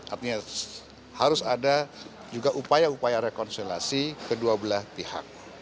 artinya harus ada juga upaya upaya rekonsilasi kedua belah pihak